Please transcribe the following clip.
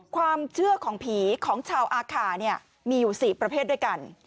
ความเชื่อของผีของชาวอาคาเนี่ยมีอยู่๔ประเภทด้วยกัน